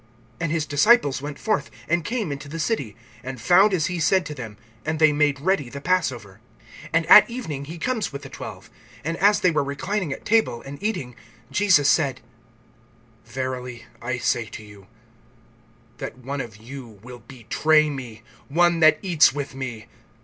(16)And his disciples went forth, and came into the city, and found as he said to them; and they made ready the passover. (17)And at evening he comes with the twelve. (18)And as they were reclining at table, and eating, Jesus said: Verily I say to you, that one of you will betray me, one that eats with me!